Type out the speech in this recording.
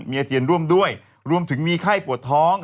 มีอาเจียนร่วมด้วยรวมถึงมีไข้ปวดท้อง